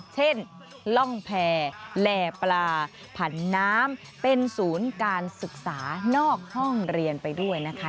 ล่องแพรแหล่ปลาผันน้ำเป็นศูนย์การศึกษานอกห้องเรียนไปด้วยนะคะ